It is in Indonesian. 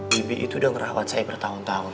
bibi itu udah ngerawat saya bertahun tahun